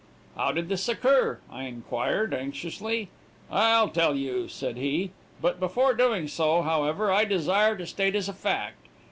"'How did this occur?' I inquired, anxiously. "'I'll tell you,' said he. 'But before doing so however, I desire to state a fact.